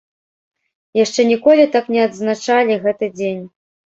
Яшчэ ніколі так не адзначалі гэты дзень.